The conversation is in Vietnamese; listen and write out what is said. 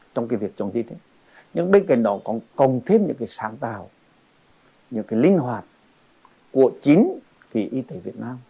trong cái việc chống dịch nhưng bên cạnh đó còn còn thêm những cái sáng tạo những cái linh hoạt của chính vì y tế việt nam